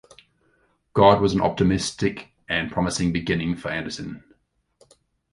God was an optimistic and promising beginning for Andersen.